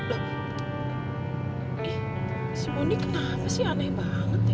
eh si mondi kenapa sih aneh banget ya